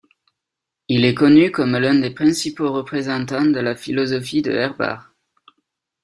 Il est connu comme l'un des principaux représentants de la philosophie de Herbart.